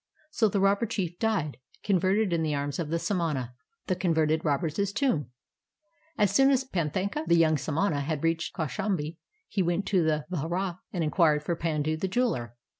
So the robber chief died converted in the arms of the samana. THE COX\'ERTED ROBBER'S TOMB As soon as Panthaka. the young samana. had reached Kaushambi, he went to the vihara and inquired for Pandu the jeweler.